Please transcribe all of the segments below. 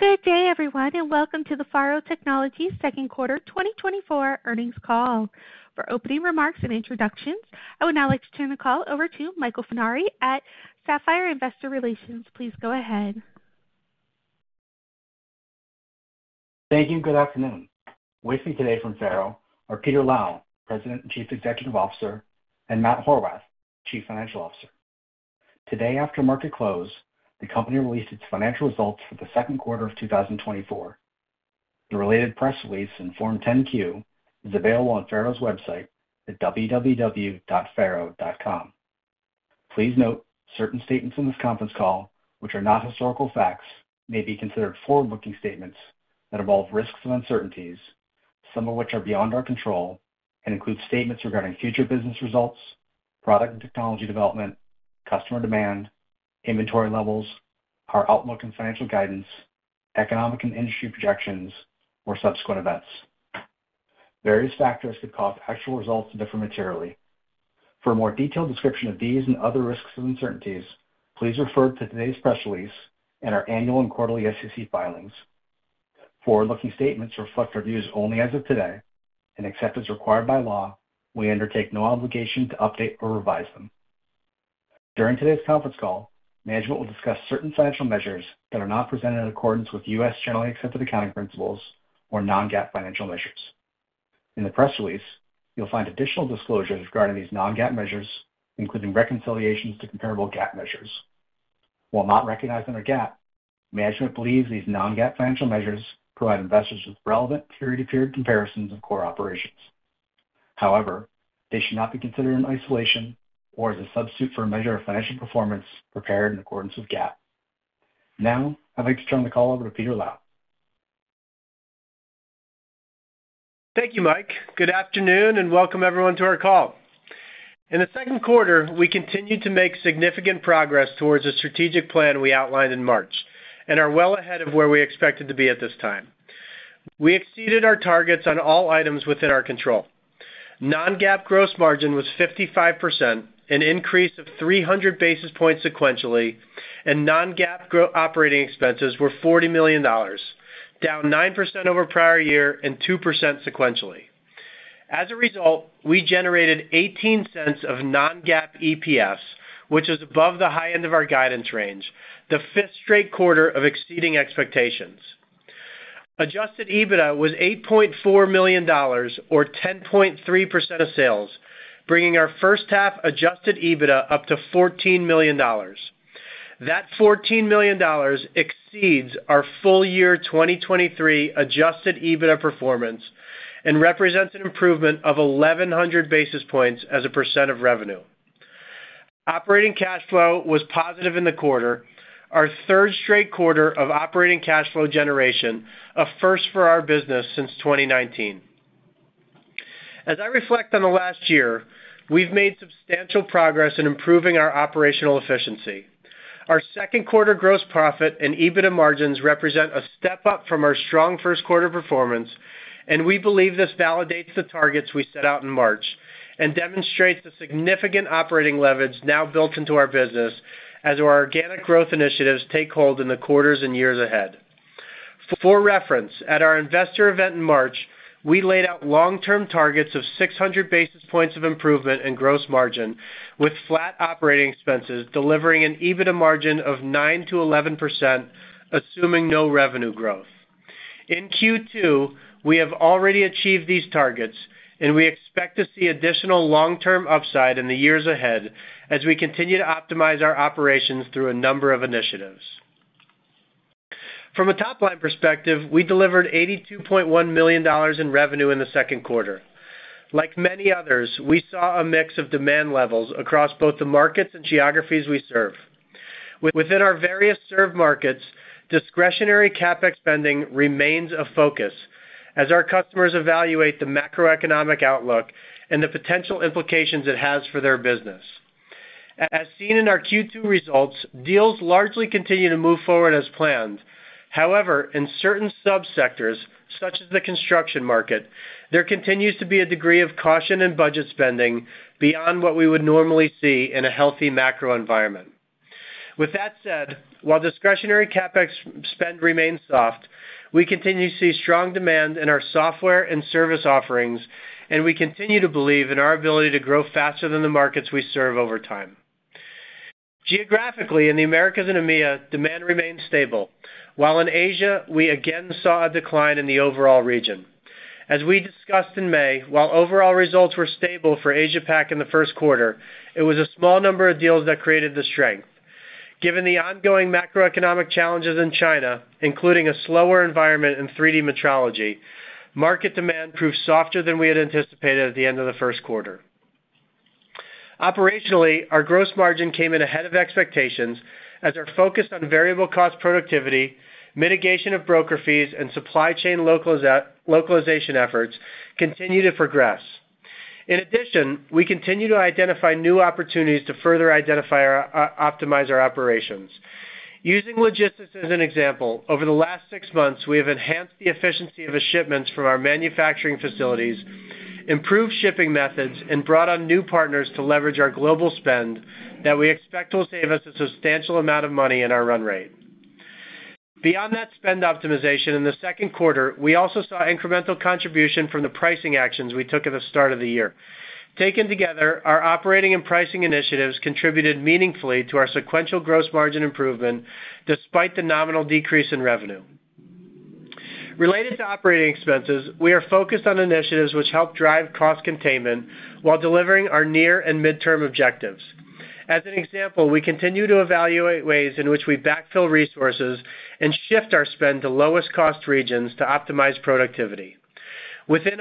Good day, everyone, and welcome to the FARO Technologies second quarter 2024 earnings call. For opening remarks and introductions, I would now like to turn the call over to Michael Funari at Sapphire Investor Relations. Please go ahead. Thank you. Good afternoon. With me today from FARO are Peter Lau, President and Chief Executive Officer, and Matt Horwath, Chief Financial Officer. Today, after market close, the company released its financial results for the second quarter of 2024. The related press release and Form 10-Q is available on FARO's website at www.faro.com. Please note, certain statements in this conference call, which are not historical facts, may be considered forward-looking statements that involve risks and uncertainties, some of which are beyond our control, and include statements regarding future business results, product and technology development, customer demand, inventory levels, our outlook and financial guidance, economic and industry projections, or subsequent events. Various factors could cause actual results to differ materially. For a more detailed description of these and other risks and uncertainties, please refer to today's press release and our annual and quarterly SEC filings. Forward-looking statements reflect our views only as of today, and except as required by law, we undertake no obligation to update or revise them. During today's conference call, management will discuss certain financial measures that are not presented in accordance with U.S. generally accepted accounting principles or non-GAAP financial measures. In the press release, you'll find additional disclosures regarding these non-GAAP measures, including reconciliations to comparable GAAP measures. While not recognized under GAAP, management believes these non-GAAP financial measures provide investors with relevant period-to-period comparisons of core operations. However, they should not be considered in isolation or as a substitute for a measure of financial performance prepared in accordance with GAAP. Now, I'd like to turn the call over to Peter Lau. Thank you, Mike. Good afternoon, and welcome everyone to our call. In the second quarter, we continued to make significant progress towards a strategic plan we outlined in March and are well ahead of where we expected to be at this time. We exceeded our targets on all items within our control. Non-GAAP gross margin was 55%, an increase of 300 basis points sequentially, and non-GAAP operating expenses were $40 million, down 9% over prior year and 2% sequentially. As a result, we generated $0.18 of non-GAAP EPS, which is above the high end of our guidance range, the fifth straight quarter of exceeding expectations. Adjusted EBITDA was $8.4 million or 10.3% of sales, bringing our first half adjusted EBITDA up to $14 million. That $14 million exceeds our full year 2023 adjusted EBITDA performance and represents an improvement of 1,100 basis points as a percent of revenue. Operating cash flow was positive in the quarter, our third straight quarter of operating cash flow generation, a first for our business since 2019. As I reflect on the last year, we've made substantial progress in improving our operational efficiency. Our second quarter gross profit and EBITDA margins represent a step up from our strong first quarter performance, and we believe this validates the targets we set out in March and demonstrates the significant operating leverage now built into our business as our organic growth initiatives take hold in the quarters and years ahead. For reference, at our investor event in March, we laid out long-term targets of 600 basis points of improvement in gross margin, with flat operating expenses delivering an EBITDA margin of 9%-11%, assuming no revenue growth. In Q2, we have already achieved these targets, and we expect to see additional long-term upside in the years ahead as we continue to optimize our operations through a number of initiatives. From a top-line perspective, we delivered $82.1 million in revenue in the second quarter. Like many others, we saw a mix of demand levels across both the markets and geographies we serve. Within our various served markets, discretionary CapEx spending remains a focus as our customers evaluate the macroeconomic outlook and the potential implications it has for their business. As seen in our Q2 results, deals largely continue to move forward as planned. However, in certain sub-sectors, such as the construction market, there continues to be a degree of caution in budget spending beyond what we would normally see in a healthy macro environment. With that said, while discretionary CapEx spend remains soft, we continue to see strong demand in our software and service offerings, and we continue to believe in our ability to grow faster than the markets we serve over time. Geographically, in the Americas and EMEA, demand remains stable, while in Asia, we again saw a decline in the overall region. As we discussed in May, while overall results were stable for Asia Pac in the first quarter, it was a small number of deals that created the strength. Given the ongoing macroeconomic challenges in China, including a slower environment in 3D metrology, market demand proved softer than we had anticipated at the end of the first quarter. Operationally, our gross margin came in ahead of expectations as our focus on variable cost productivity, mitigation of broker fees, and supply chain localization efforts continue to progress. In addition, we continue to identify new opportunities to further optimize our operations. Using logistics as an example, over the last six months, we have enhanced the efficiency of the shipments from our manufacturing facilities, improved shipping methods, and brought on new partners to leverage our global spend that we expect will save us a substantial amount of money in our run rate. Beyond that spend optimization, in the second quarter, we also saw incremental contribution from the pricing actions we took at the start of the year. Taken together, our operating and pricing initiatives contributed meaningfully to our sequential gross margin improvement, despite the nominal decrease in revenue. Related to operating expenses, we are focused on initiatives which help drive cost containment while delivering our near and midterm objectives. As an example, we continue to evaluate ways in which we backfill resources and shift our spend to lowest cost regions to optimize productivity. Within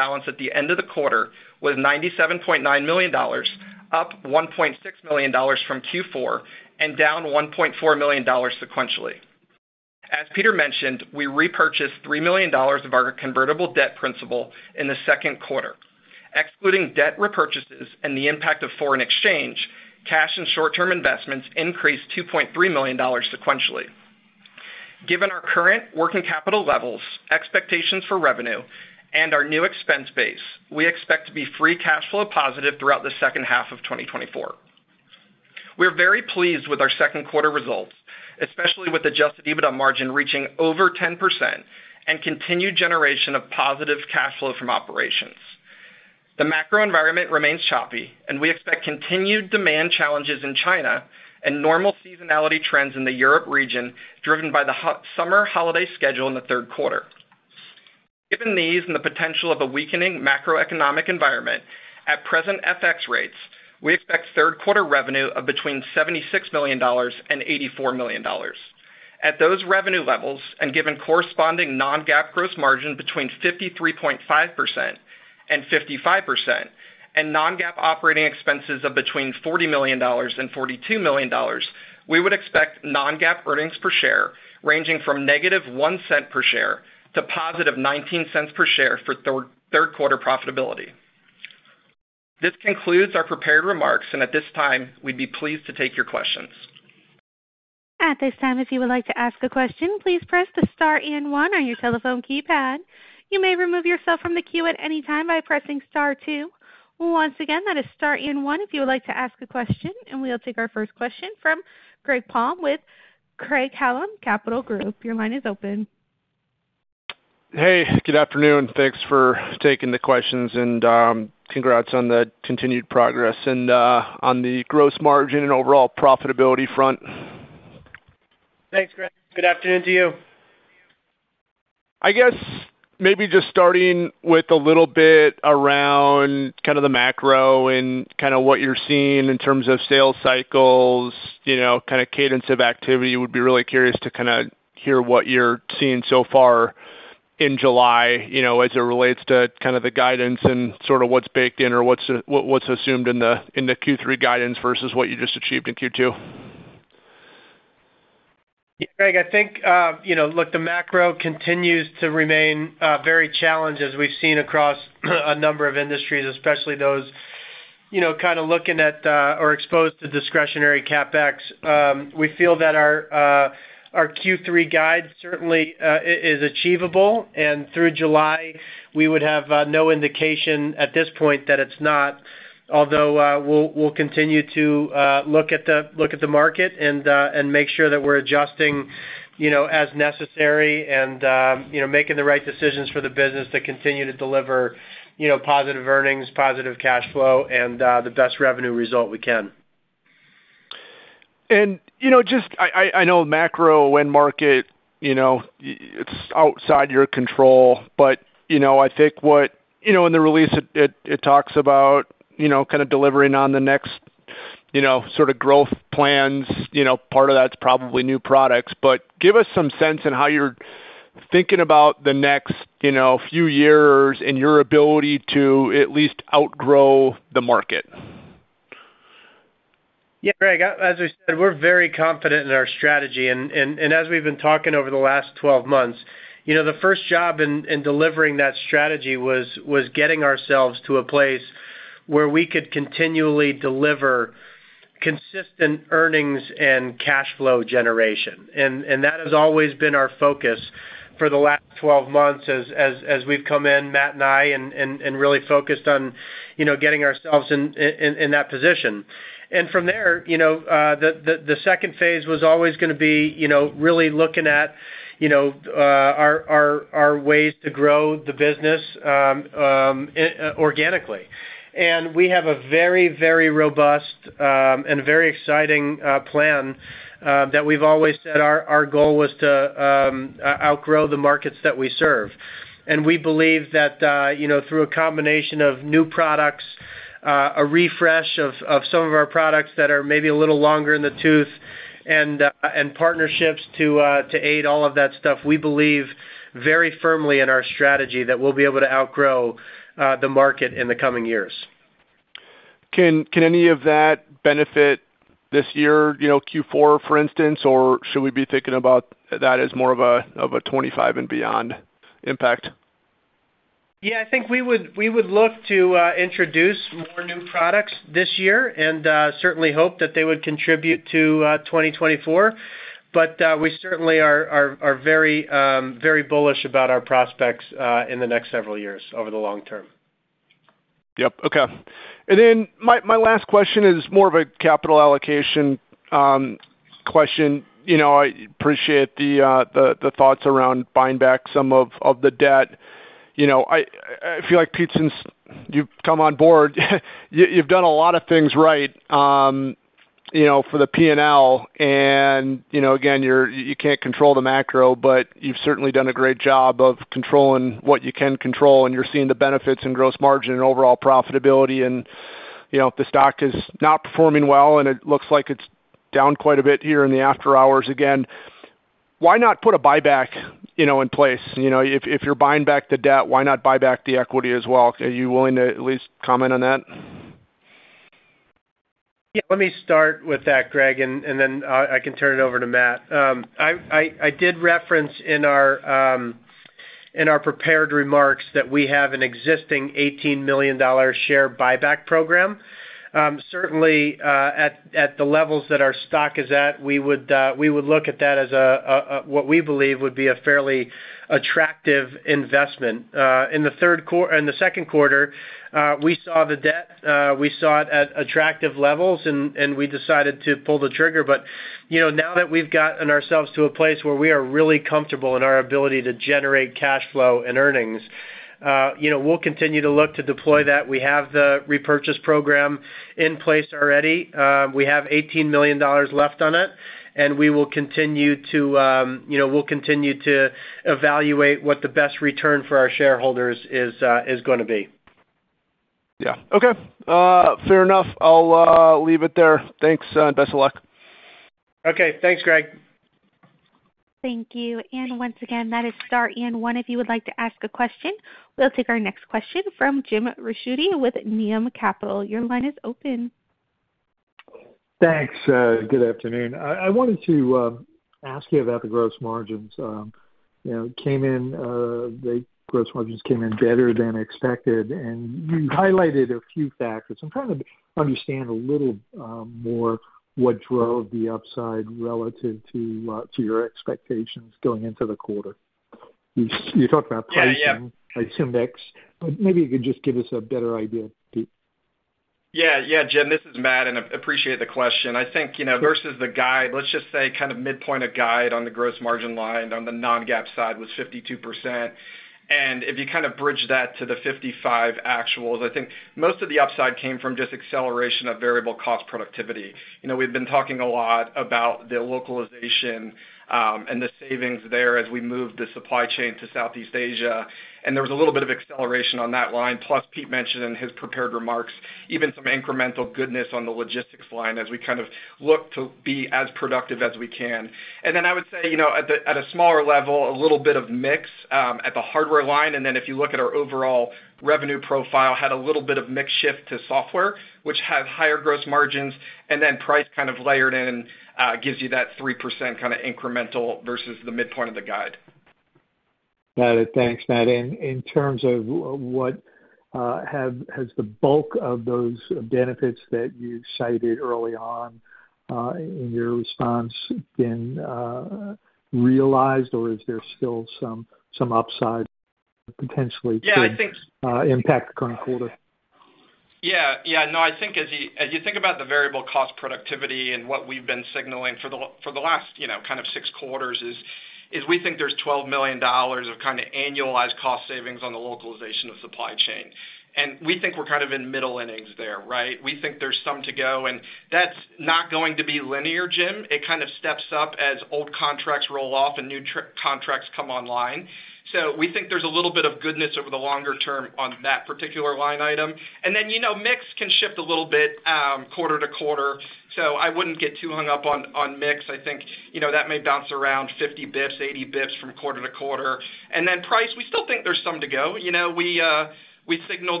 R&D,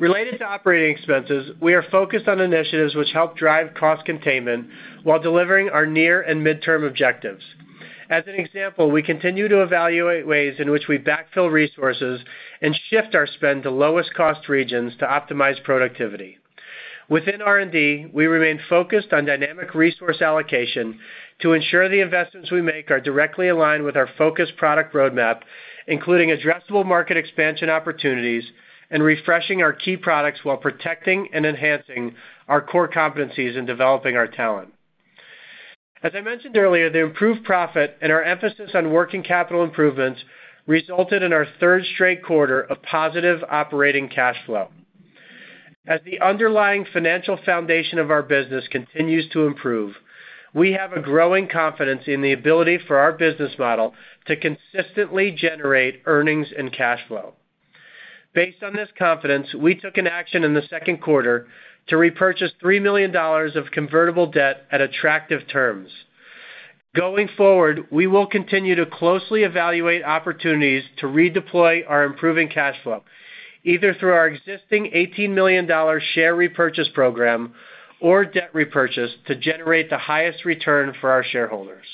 we remain focused on dynamic resource allocation to ensure the investments we make are directly aligned with our focused product roadmap, including addressable market expansion opportunities and refreshing our key products while protecting and enhancing our core competencies in developing our talent. As I mentioned earlier, the improved profit and our emphasis on working capital improvements resulted in our third straight quarter of positive operating cash flow. As the underlying financial foundation of our business continues to improve, we have a growing confidence in the ability for our business model to consistently generate earnings and cash flow. Based on this confidence, we took an action in the second quarter to repurchase $3 million of convertible debt at attractive terms. Going forward, we will continue to closely evaluate opportunities to redeploy our improving cash flow, either through our existing $18 million share repurchase program or debt repurchase to generate the highest return for our shareholders.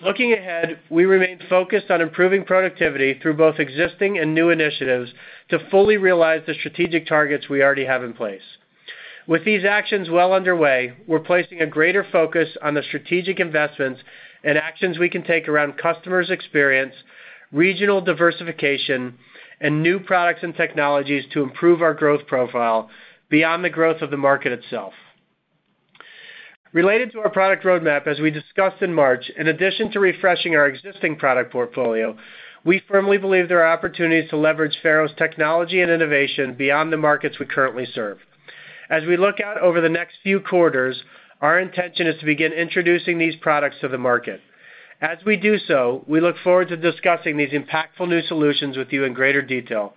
Looking ahead, we remain focused on improving productivity through both existing and new initiatives to fully realize the strategic targets we already have in place. With these actions well underway, we're placing a greater focus on the strategic investments and actions we can take around customers' experience, regional diversification, and new products and technologies to improve our growth profile beyond the growth of the market itself. Related to our product roadmap, as we discussed in March, in addition to refreshing our existing product portfolio, we firmly believe there are opportunities to leverage FARO's technology and innovation beyond the markets we currently serve. As we look out over the next few quarters, our intention is to begin introducing these products to the market. As we do so, we look forward to discussing these impactful new solutions with you in greater detail,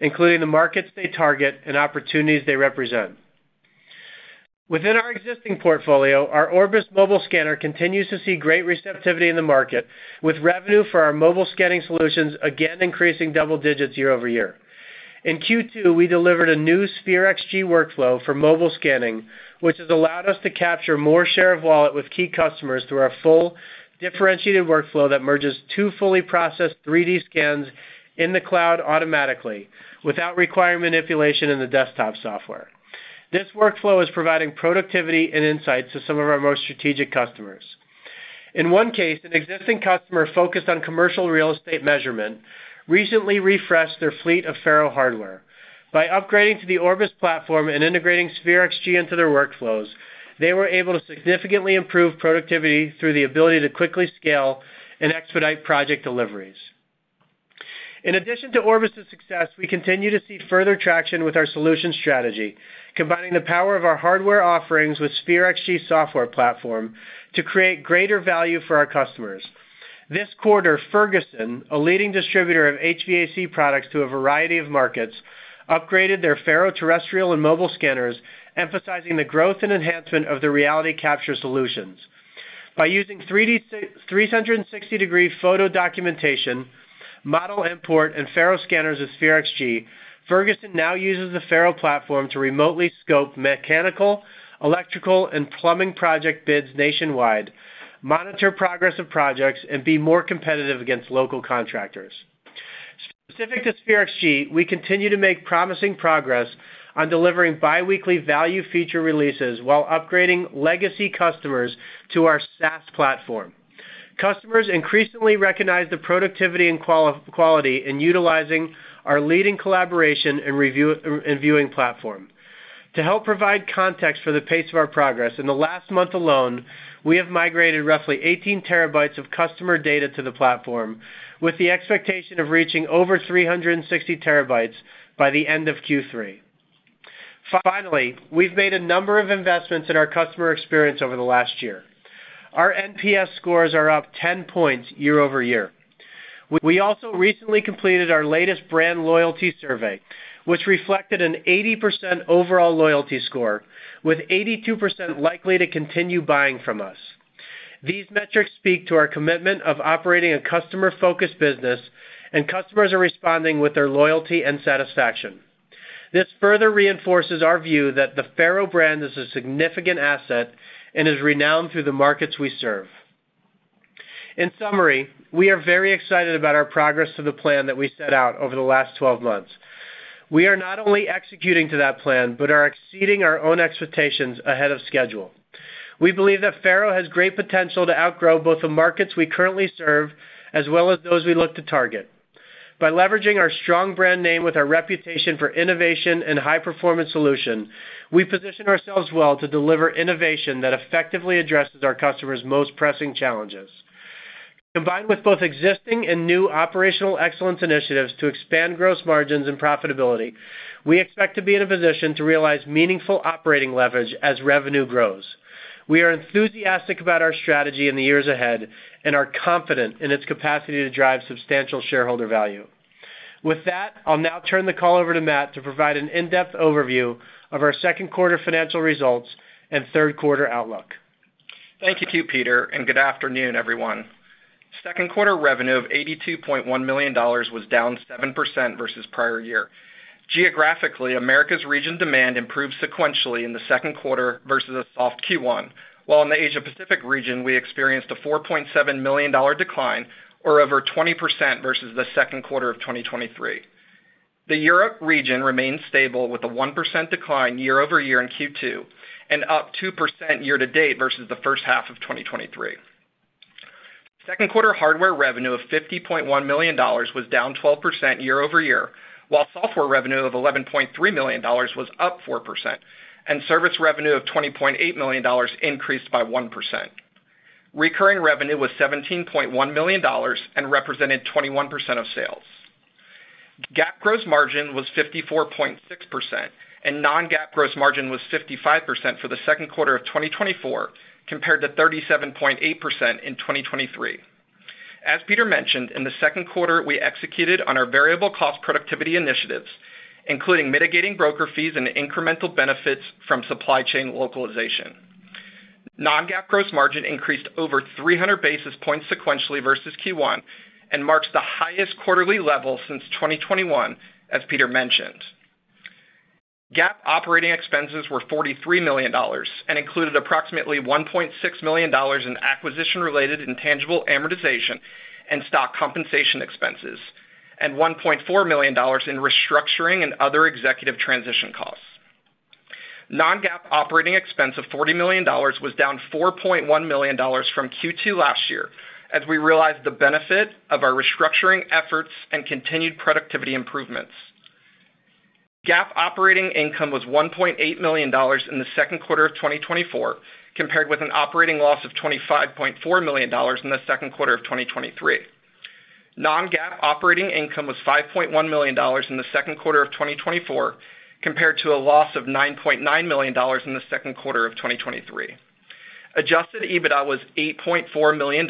including the markets they target and opportunities they represent. Within our existing portfolio, our Orbis mobile scanner continues to see great receptivity in the market, with revenue for our mobile scanning solutions again increasing double digits year-over-year. In Q2, we delivered a new Sphere XG workflow for mobile scanning, which has allowed us to capture more share of wallet with key customers through our full differentiated workflow that merges two fully processed 3D scans in the cloud automatically, without requiring manipulation in the desktop software. This workflow is providing productivity and insights to some of our most strategic customers. In one case, an existing customer focused on commercial real estate measurement recently refreshed their fleet of FARO hardware. By upgrading to the Orbis platform and integrating Sphere XG into their workflows, they were able to significantly improve productivity through the ability to quickly scale and expedite project deliveries. In addition to Orbis' success, we continue to see further traction with our solution strategy, combining the power of our hardware offerings with Sphere XG software platform to create greater value for our customers. This quarter, Ferguson, a leading distributor of HVAC products to a variety of markets, upgraded their FARO terrestrial and mobile scanners, emphasizing the growth and enhancement of the Reality Capture solutions. By using 3D 360-degree photo documentation, model import, and FARO scanners with Sphere XG, Ferguson now uses the FARO platform to remotely scope mechanical, electrical, and plumbing project bids nationwide, monitor progress of projects, and be more competitive against local contractors. Specific to Sphere XG, we continue to make promising progress on delivering biweekly value feature releases while upgrading legacy customers to our SaaS platform. Customers increasingly recognize the productivity and quality in utilizing our leading collaboration and review and viewing platform. To help provide context for the pace of our progress, in the last month alone, we have migrated roughly 18 TB of customer data to the platform, with the expectation of reaching over 360 TB by the end of Q3. Finally, we've made a number of investments in our customer experience over the last year. Our NPS scores are up 10 points year-over-year. We also recently completed our latest brand loyalty survey, which reflected an 80% overall loyalty score, with 82% likely to continue buying from us. These metrics speak to our commitment of operating a customer-focused business, and customers are responding with their loyalty and satisfaction. This further reinforces our view that the FARO brand is a significant asset and is renowned through the markets we serve. In summary, we are very excited about our progress to the plan that we set out over the last 12 months. We are not only executing to that plan, but are exceeding our own expectations ahead of schedule. We believe that FARO has great potential to outgrow both the markets we currently serve, as well as those we look to target. By leveraging our strong brand name with our reputation for innovation and high-performance solution, we position ourselves well to deliver innovation that effectively addresses our customers' most pressing challenges. Combined with both existing and new operational excellence initiatives to expand gross margins and profitability, we expect to be in a position to realize meaningful operating leverage as revenue grows. We are enthusiastic about our strategy in the years ahead, and are confident in its capacity to drive substantial shareholder value. With that, I'll now turn the call over to Matt to provide an in-depth overview of our second quarter financial results and third quarter outlook. Thank you, Peter, and good afternoon, everyone. Second quarter revenue of $82.1 million was down 7% versus prior year. Geographically, Americas region demand improved sequentially in the second quarter versus a soft Q1, while in the Asia Pacific region, we experienced a $4.7 million decline, or over 20% versus the second quarter of 2023. The Europe region remained stable with a 1% decline year-over-year in Q2, and up 2% year-to-date versus the first half of 2023. Second quarter hardware revenue of $50.1 million was down 12% year-over-year, while software revenue of $11.3 million was up 4%, and service revenue of $20.8 million increased by 1%. Recurring revenue was $17.1 million and represented 21% of sales. GAAP gross margin was 54.6%, and non-GAAP gross margin was 55% for the second quarter of 2024, compared to 37.8% in 2023. As Peter mentioned, in the second quarter, we executed on our variable cost productivity initiatives, including mitigating broker fees and incremental benefits from supply chain localization. Non-GAAP gross margin increased over 300 basis points sequentially versus Q1, and marks the highest quarterly level since 2021, as Peter mentioned. GAAP operating expenses were $43 million, and included approximately $1.6 million in acquisition-related intangible amortization and stock compensation expenses, and $1.4 million in restructuring and other executive transition costs. Non-GAAP operating expense of $40 million was down $4.1 million from Q2 last year, as we realized the benefit of our restructuring efforts and continued productivity improvements. GAAP operating income was $1.8 million in the second quarter of 2024, compared with an operating loss of $25.4 million in the second quarter of 2023. Non-GAAP operating income was $5.1 million in the second quarter of 2024, compared to a loss of $9.9 million in the second quarter of 2023. Adjusted EBITDA was $8.4 million,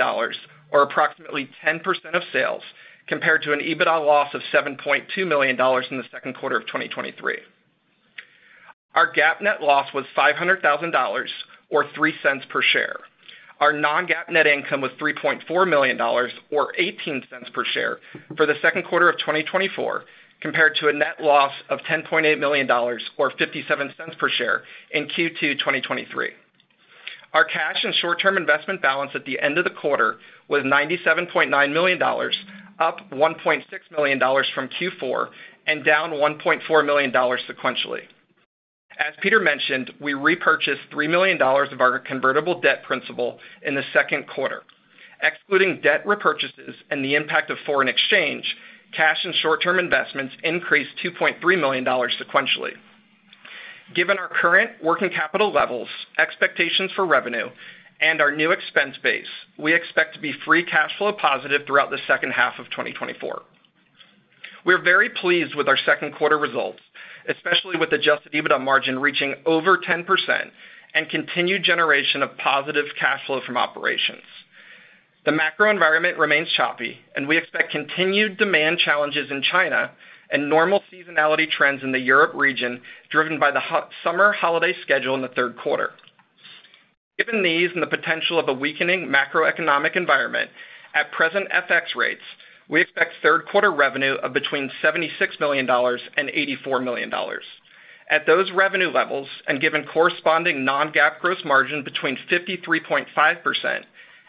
or approximately 10% of sales, compared to an EBITDA loss of $7.2 million in the second quarter of 2023. Our GAAP net loss was $500,000, or $0.03 per share. Our non-GAAP net income was $3.4 million, or $0.18 per share for the second quarter of 2024, compared to a net loss of $10.8 million, or $0.57 per share in Q2 2023. Our cash and short-term investment balance at the end of the quarter was $97.9 million, up $1.6 million from Q4, and down $1.4 million sequentially. As Peter mentioned, we repurchased $3 million of our convertible debt principal in the second quarter. Excluding debt repurchases and the impact of foreign exchange, cash and short-term investments increased $2.3 million sequentially. Given our current working capital levels, expectations for revenue, and our new expense base, we expect to be free cash flow positive throughout the second half of 2024. We're very pleased with our second quarter results, especially with Adjusted EBITDA margin reaching over 10% and continued generation of positive cash flow from operations. The macro environment remains choppy, and we expect continued demand challenges in China and normal seasonality trends in the Europe region, driven by the hot summer holiday schedule in the third quarter. Given these and the potential of a weakening macroeconomic environment, at present FX rates, we expect third quarter revenue of between $76 million and $84 million. At those revenue levels, and given corresponding non-GAAP gross margin between 53.5%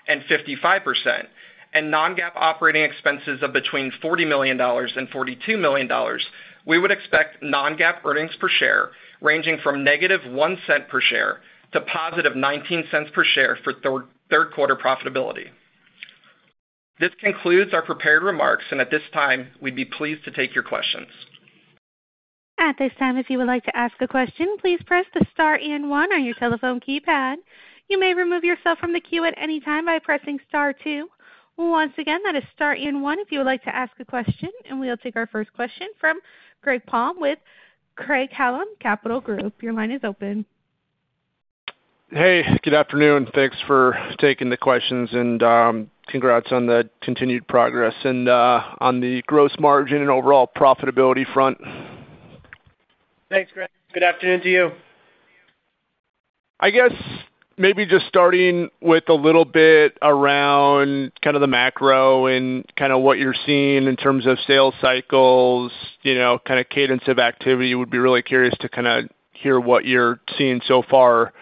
and 55%, and non-GAAP operating expenses of between $40 million and $42 million, we would expect non-GAAP earnings per share ranging from -$0.01 per share to +$0.19 per share for third quarter profitability. This concludes our prepared remarks, and at this time, we'd be pleased to take your questions. At this time, if you would like to ask a question, please press the star and one on your telephone keypad. You may remove yourself from the queue at any time by pressing star two. Once again, that is star and one if you would like to ask a question, and we'll take our first question from Greg Palm with Craig-Hallum Capital Group. Your line is open. Hey, good afternoon. Thanks for taking the questions, and congrats on the continued progress. On the gross margin and overall profitability front- Thanks, Greg. Good afternoon to you. I guess maybe just starting with a little bit around kind of the macro and kind of what you're seeing in terms of sales cycles, you know, kinda cadence of activity, would be really curious to kinda hear what you're seeing so far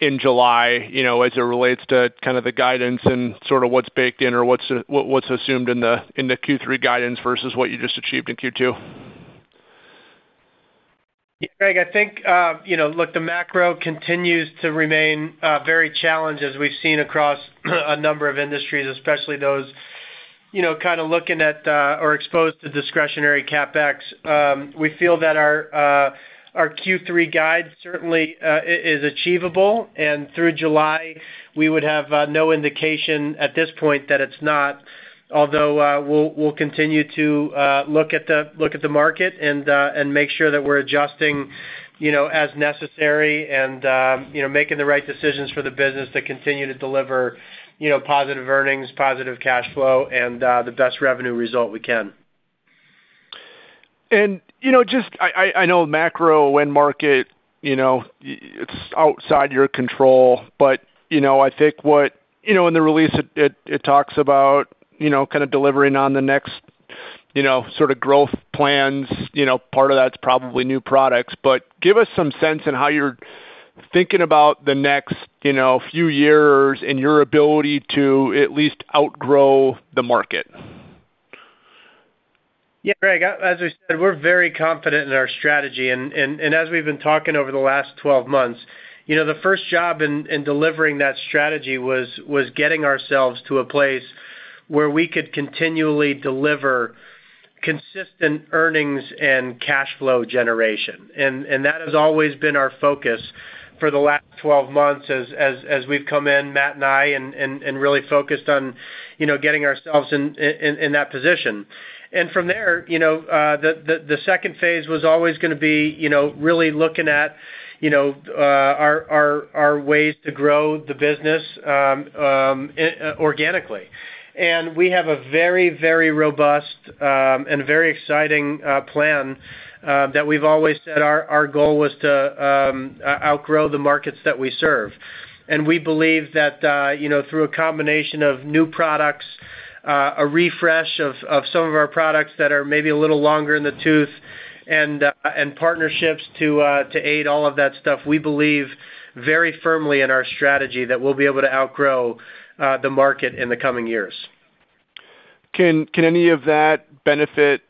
in July, you know, as it relates to kind of the guidance and sort of what's baked in or what's, what, what's assumed in the, in the Q3 guidance versus what you just achieved in Q2. Yeah, Greg, I think, you know, look, the macro continues to remain very challenged as we've seen across a number of industries, especially those you know, kind of looking at or exposed to discretionary CapEx. We feel that our our Q3 guide certainly is achievable, and through July, we would have no indication at this point that it's not. Although, we'll we'll continue to look at the market and and make sure that we're adjusting, you know, as necessary and, you know, making the right decisions for the business to continue to deliver, you know, positive earnings, positive cash flow, and the best revenue result we can. You know, just, I know macro wind market, you know, it's outside your control, but, you know, I think what you know, in the release, it talks about, you know, kind of delivering on the next, you know, sort of growth plans, you know, part of that's probably new products. But give us some sense in how you're thinking about the next, you know, few years and your ability to at least outgrow the market. Yeah, Greg, as I said, we're very confident in our strategy. And as we've been talking over the last 12 months, you know, the first job in delivering that strategy was getting ourselves to a place where we could continually deliver consistent earnings and cash flow generation. And that has always been our focus for the last 12 months as we've come in, Matt and I, and really focused on, you know, getting ourselves in that position. And from there, you know, the second phase was always gonna be, you know, really looking at, you know, our ways to grow the business, organically. We have a very, very robust and very exciting plan that we've always said our goal was to outgrow the markets that we serve. We believe that, you know, through a combination of new products, a refresh of some of our products that are maybe a little longer in the tooth, and partnerships to aid all of that stuff, we believe very firmly in our strategy that we'll be able to outgrow the market in the coming years. Can any of that benefit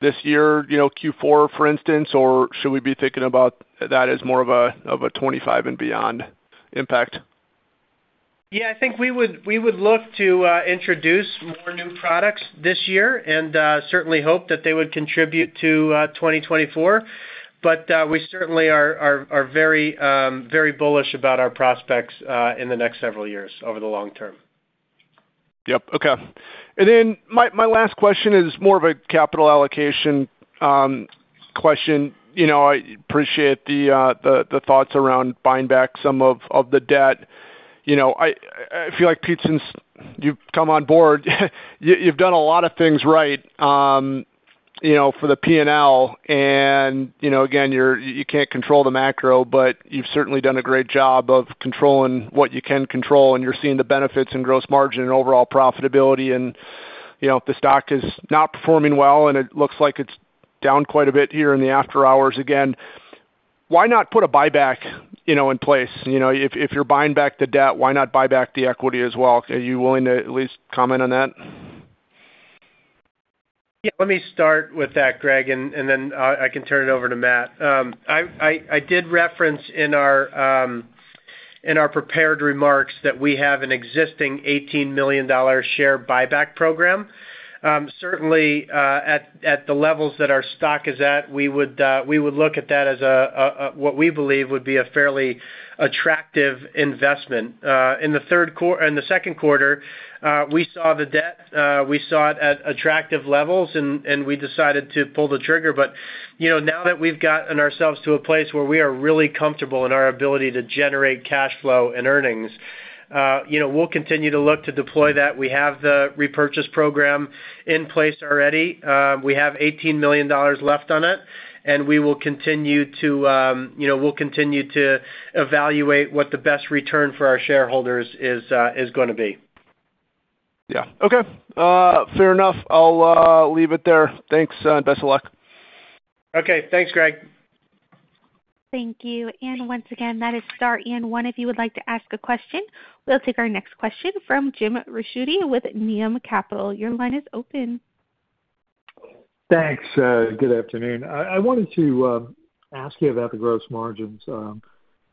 this year, you know, Q4, for instance, or should we be thinking about that as more of a 25 and beyond impact? Yeah, I think we would look to introduce more new products this year and certainly hope that they would contribute to 2024. But we certainly are very very bullish about our prospects in the next several years over the long term. Yep. Okay. And then my last question is more of a capital allocation question. You know, I appreciate the thoughts around buying back some of the debt. You know, I feel like, Pete, since you've come on board, you've done a lot of things right, you know, for the P&L, and, you know, again, you can't control the macro, but you've certainly done a great job of controlling what you can control, and you're seeing the benefits in gross margin and overall profitability. And, you know, the stock is not performing well, and it looks like it's down quite a bit here in the after hours. Again, why not put a buyback, you know, in place? You know, if you're buying back the debt, why not buy back the equity as well? Are you willing to at least comment on that? Yeah, let me start with that, Greg, I can turn it over to Matt. I did reference in our prepared remarks that we have an existing $18 million share buyback program. Certainly, at the levels that our stock is at, we would look at that as what we believe would be a fairly attractive investment. In the second quarter, we saw the debt, we saw it at attractive levels, and we decided to pull the trigger. But, you know, now that we've gotten ourselves to a place where we are really comfortable in our ability to generate cash flow and earnings, you know, we'll continue to look to deploy that. We have the repurchase program in place already. We have $18 million left on it, and we will continue to, you know, we'll continue to evaluate what the best return for our shareholders is, is gonna be. Yeah. Okay. Fair enough. I'll leave it there. Thanks, and best of luck. Okay, thanks, Greg. Thank you. And once again, that is star eight one, if you would like to ask a question. We'll take our next question from Jim Ricchiuti with Needham & Company. Your line is open. Thanks, good afternoon. I wanted to ask you about the gross margins. You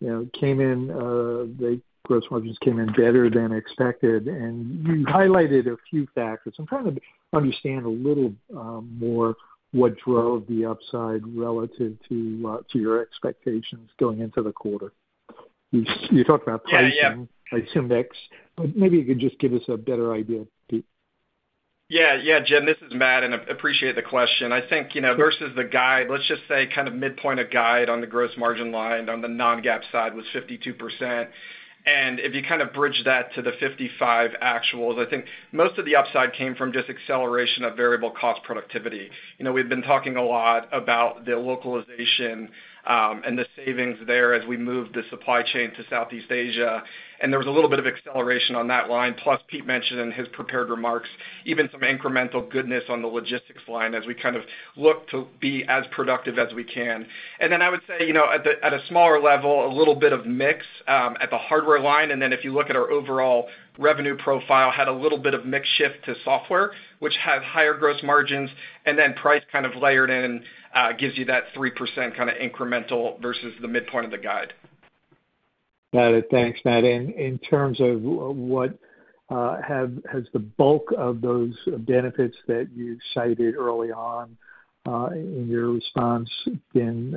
know, it came in, the gross margins came in better than expected, and you highlighted a few factors. I'm trying to understand a little more what drove the upside relative to to your expectations going into the quarter. You talked about pricing- Yeah, yeah. - I assume mix, but maybe you could just give us a better idea, please? Yeah, yeah, Jim, this is Matt, and I appreciate the question. I think, you know, versus the guide, let's just say kind of midpoint of guide on the gross margin line on the non-GAAP side was 52%. And if you kind of bridge that to the 55 actuals, I think most of the upside came from just acceleration of variable cost productivity. You know, we've been talking a lot about the localization, and the savings there as we move the supply chain to Southeast Asia, and there was a little bit of acceleration on that line. Plus, Pete mentioned in his prepared remarks, even some incremental goodness on the logistics line as we kind of look to be as productive as we can. And then I would say, you know, at a smaller level, a little bit of mix, at the hardware line. And then, if you look at our overall revenue profile, had a little bit of mix shift to software, which has higher gross margins, and then price kind of layered in, gives you that 3% kind of incremental versus the midpoint of the guide.... Got it. Thanks, Matt. And in terms of what has the bulk of those benefits that you cited early on in your response been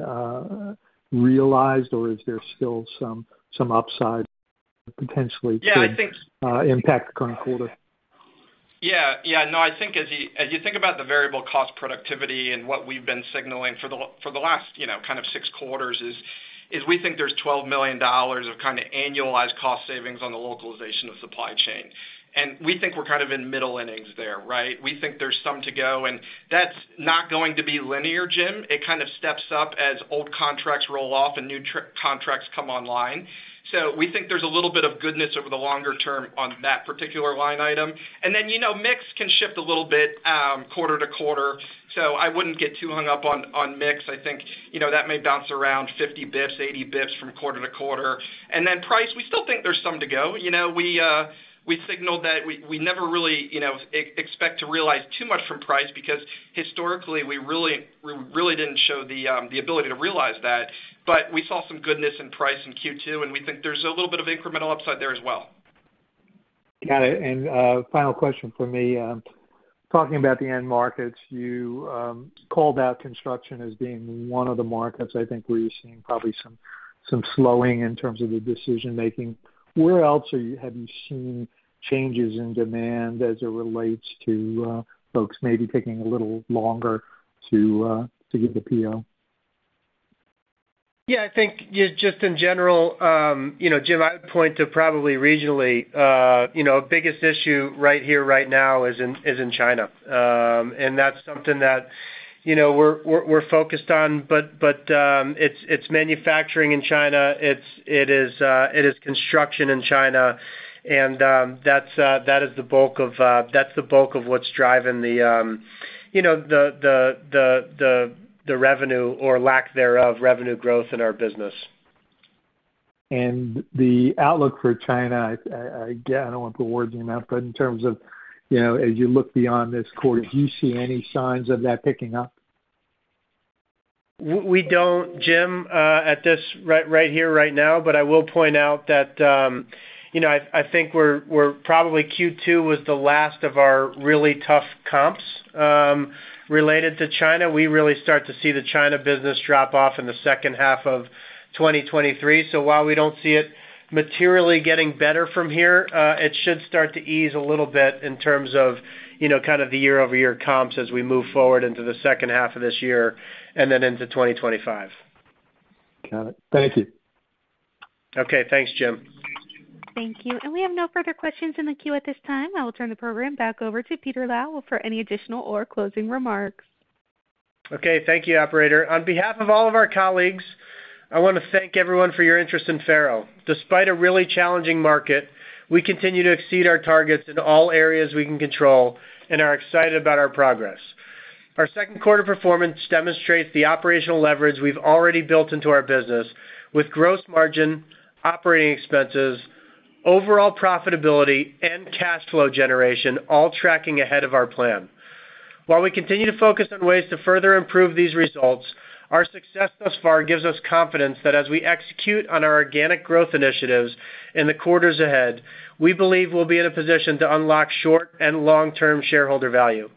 realized, or is there still some upside potentially? Yeah, I think- impact the current quarter? Yeah. Yeah, no, I think as you, as you think about the variable cost productivity and what we've been signaling for the last, you know, kind of six quarters is, is we think there's $12 million of kind of annualized cost savings on the localization of supply chain. And we think we're kind of in middle innings there, right? We think there's some to go, and that's not going to be linear, Jim. It kind of steps up as old contracts roll off and new contracts come online. So we think there's a little bit of goodness over the longer term on that particular line item. And then, you know, mix can shift a little bit, quarter to quarter, so I wouldn't get too hung up on, on mix. I think, you know, that may bounce around 50 basis points, 80 basis points from quarter to quarter. And then price, we still think there's some to go. You know, we signaled that we never really, you know, expect to realize too much from price because historically we really, we really didn't show the ability to realize that. But we saw some goodness in price in Q2, and we think there's a little bit of incremental upside there as well. Got it. And final question for me. Talking about the end markets, you called out construction as being one of the markets, I think, where you're seeing probably some slowing in terms of the decision making. Where else have you seen changes in demand as it relates to folks maybe taking a little longer to get the PO? Yeah, I think just in general, you know, Jim, I would point to probably regionally, you know, biggest issue right here, right now is in China. And that's something that, you know, we're focused on. But, it's manufacturing in China. It's, it is construction in China, and, that is the bulk of what's driving the, you know, the revenue or lack thereof, revenue growth in our business. The outlook for China, again, I don't want to put words in your mouth, but in terms of, you know, as you look beyond this quarter, do you see any signs of that picking up? We don't, Jim, at this point right here right now, but I will point out that, you know, I think we're probably Q2 was the last of our really tough comps related to China. We really start to see the China business drop off in the second half of 2023. So while we don't see it materially getting better from here, it should start to ease a little bit in terms of, you know, kind of the year-over-year comps as we move forward into the second half of this year and then into 2025. Got it. Thank you. Okay, thanks, Jim. Thank you. We have no further questions in the queue at this time. I will turn the program back over to Peter Lau for any additional or closing remarks. Okay, thank you, operator. On behalf of all of our colleagues, I want to thank everyone for your interest in FARO. Despite a really challenging market, we continue to exceed our targets in all areas we can control and are excited about our progress. Our second quarter performance demonstrates the operational leverage we've already built into our business with gross margin, operating expenses, overall profitability, and cash flow generation all tracking ahead of our plan. While we continue to focus on ways to further improve these results, our success thus far gives us confidence that as we execute on our organic growth initiatives in the quarters ahead, we believe we'll be in a position to unlock short- and long-term shareholder value.